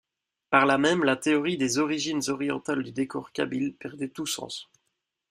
Par là même la théorie des origines orientales du décor kabyle perdait tout sens.